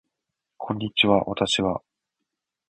こんにちは私は